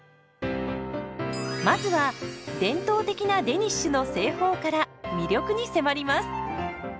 まずは伝統的なデニッシュの製法から魅力に迫ります。